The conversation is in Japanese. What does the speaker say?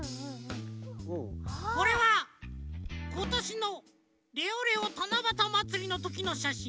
これはことしのレオレオたなばたまつりのときのしゃしん。